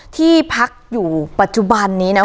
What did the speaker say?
ที่พักอยู่ปัจจุบันนี้นะ